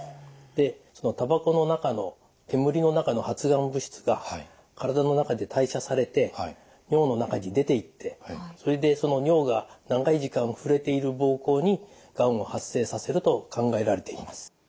そのたばこの中の煙の中の発がん物質が体の中で代謝されて尿の中に出ていってそれでその尿が長い時間触れている膀胱にがんを発生させると考えられています。